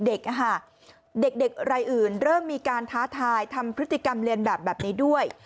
เด็กรายอื่นเริ่มมีการท้าทายทำพฤติกรรมเรียนแบบแบบนี้ด้วย